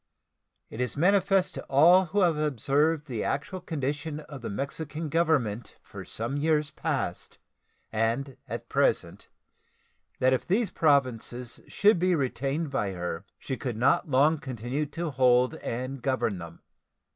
It is manifest to all who have observed the actual condition of the Mexican Government for some years past and at present that if these Provinces should be retained by her she could not long continue to hold and govern them.